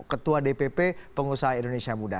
ketua dpp pengusaha indonesia muda